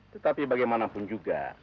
tetapi bagaimanapun juga